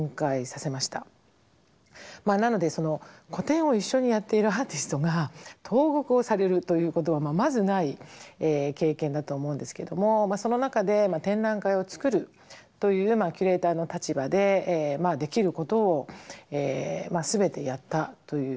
なので個展を一緒にやっているアーティストが投獄をされるということはまずない経験だと思うんですけどもその中で展覧会を作るというキュレーターの立場でできることを全てやったということですね。